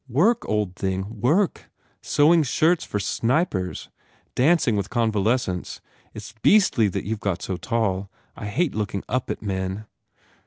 "Work, old thing, work! Sewing shirts for snipers. Dancing with convalescents. It s beastly you ve got so tall. I hate looking up at men."